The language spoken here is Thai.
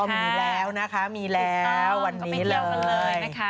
ก็มีแล้วนะคะมีแล้ววันนี้เลย